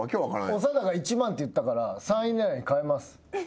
長田が１万って言ったから３位狙いに変えます。